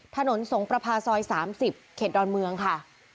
ถนนสงประพาซอย๓๐เขตดอนเมืองค่ะ